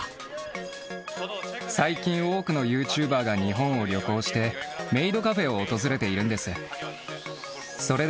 最近、多くのユーチューバーが日本を旅行して、メイドカフェを訪れているんです。